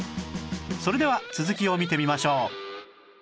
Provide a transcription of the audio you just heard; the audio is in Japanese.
それでは続きを見てみましょう